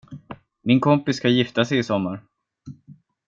Min kompis ska gifta sig i sommar.